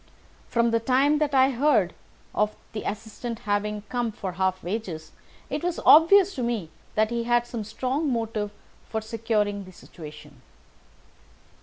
From the time that I heard of the assistant having come for half wages, it was obvious to me that he had some strong motive for securing the situation."